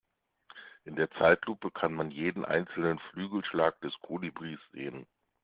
In der Zeitlupe kann man jeden einzelnen Flügelschlag des Kolibris sehen.